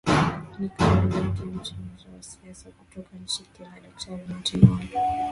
ni kauli yake mchambuzi wa siasa kutoka nchini kenya daktari martin ollo